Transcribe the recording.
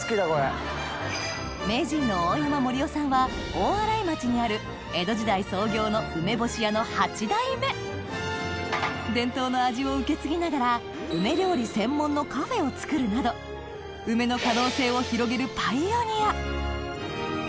名人の大山壮郎さんは大洗町にある江戸時代創業の梅干し屋の八代目伝統の味を受け継ぎながら梅料理専門のカフェを作るなど梅の可能性を広げるパイオニア